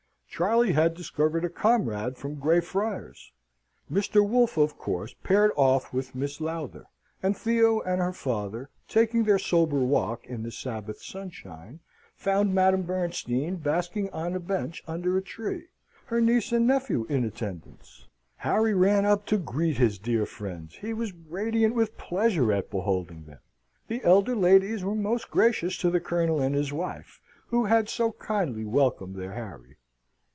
Charley had discovered a comrade from Grey Friars: Mr. Wolfe of course paired off with Miss Lowther: and Theo and her father, taking their sober walk in the Sabbath sunshine, found Madame Bernstein basking on a bench under a tree, her niece and nephew in attendance. Harry ran up to greet his dear friends: he was radiant with pleasure at beholding them the elder ladies were most gracious to the Colonel and his wife, who had so kindly welcomed their Harry.